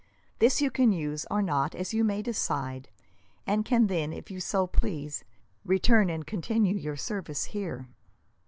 This you can use, or not, as you may decide, and can then, if you so please, return and continue your service here.